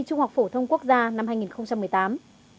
trung học phổ thông quốc gia năm hai nghìn một mươi tám